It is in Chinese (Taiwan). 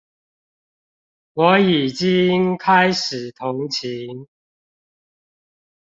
我已經開始同情